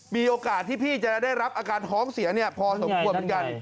มีโอกาสที่พี่จะได้รับอาการท้องเสียพอสมควรเหมือนกัน